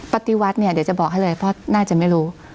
ปฏิวัติเนี่ยเดี๋ยวจะบอกให้เลยเพราะน่าจะไม่รู้